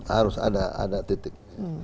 harus ada titik